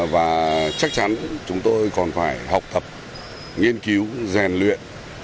và chắc chắn chúng tôi còn phải học thập nghiên cứu rèn luyện